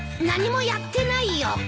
何もやってないよ。